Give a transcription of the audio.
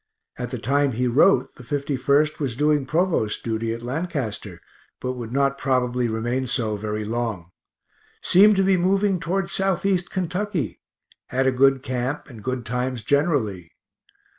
At the time he wrote the 51st was doing provost duty at Lancaster, but would not probably remain so very long seem to be moving towards southeast Kentucky had a good camp, and good times generally.